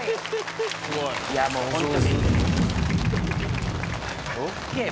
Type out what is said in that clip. いやもうホントに。